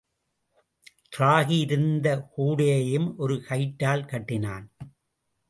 ராகி இருந்த கூடையையும் ஒரு கயிற்றால் கட்டினான்.